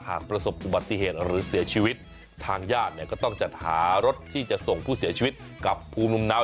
หากประสบอุบัติเหตุหรือเสียชีวิตทางญาติเนี่ยก็ต้องจัดหารถที่จะส่งผู้เสียชีวิตกับภูมิลำเนา